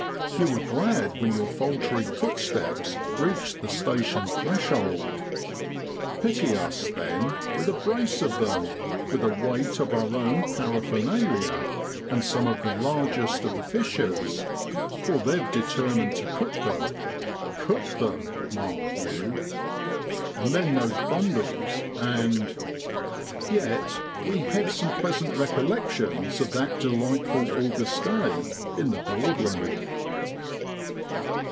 You were glad when your faltering footsteps reached the station threshold. Pity us, then, with a brace of them, with the weight of our own paraphernalia, and some of the largest of the fishes, for they've determined to cook them, cook them mark you. And then those bundles, and Yet we have some pleasant recollections of that delightful August day in the Broadland.